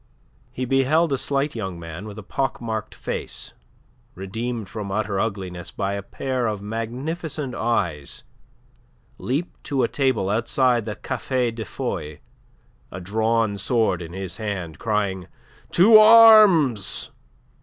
He beheld a slight young man with a pock marked face, redeemed from utter ugliness by a pair of magnificent eyes, leap to a table outside the Café de Foy, a drawn sword in his hand, crying, "To arms!"